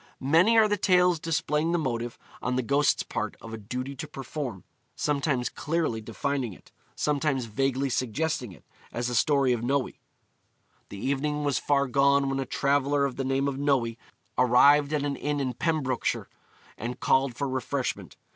Many are the tales displaying the motive, on the ghost's part, of a duty to perform sometimes clearly defining it, sometimes vaguely suggesting it, as in the story of Noe. 'The evening was far gone when a traveller of the name of Noe arrived at an inn in Pembrokeshire, and called for refreshment.